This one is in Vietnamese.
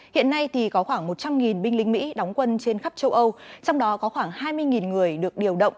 hiện nay thì có khoảng một trăm linh binh lính mỹ đóng quân trên khắp châu âu trong đó có khoảng hai mươi người được điều động